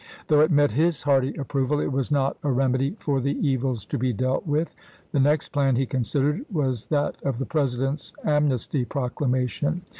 Though it met his hearty approval, it was not a remedy for the evils to be dealt with. The next plan he considered was that of the President's am Of r Dec. s, 1863. nesty proclamation.